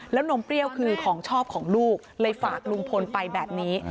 แล้วนมเปรี้ยวคือของชอบของลูกเลยฝากลุงพลไปแบบนี้